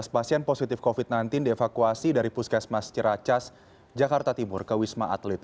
tujuh belas pasien positif covid sembilan belas dievakuasi dari puskesmas ciracas jakarta timur ke wisma atlet